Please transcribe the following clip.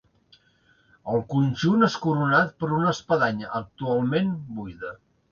El conjunt és coronat per una espadanya, actualment buida.